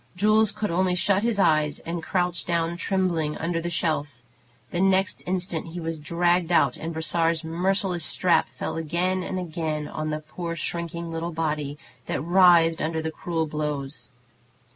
Jules could only shut his eyes and crouch down trembling, under the shelf. The next instant he was dragged out, and Brossard's merciless strap fell again and again on the poor shrinking little body, that writhed under the cruel blows.